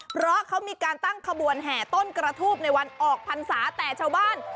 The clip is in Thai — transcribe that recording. เพราะเขามีการตั้งขบวนแห่ต้นกระทูบในวันออกพรรษาแต่ชาวบ้าน